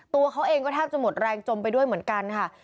ตัวเขาเองก็แทบจะหมดแรงจมไปด้วยเหมือนกันค่ะ